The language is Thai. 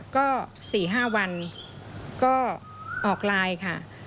ก็สี่ห้าวันก็ออกไลน์ค่ะ